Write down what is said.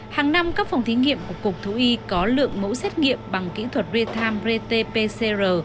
hàng năm các phòng thí nghiệm của cục thú y có lượng mẫu xét nghiệm bằng kỹ thuật real time rt pcr